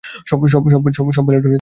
সব পাইলটই মিশনে আছেন।